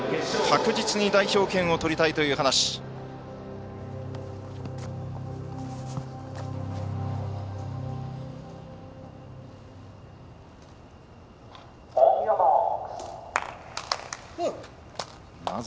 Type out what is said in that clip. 確実に代表権を取りたいと話しています。